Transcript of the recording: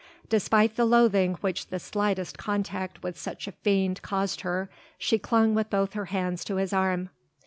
Despite the loathing which the slightest contact with such a fiend caused her, she clung with both her hands to his arm.